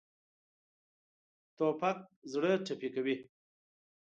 توپک زړه ټپي کوي.